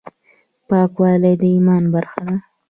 پاکوالي د ايمان برخه ده.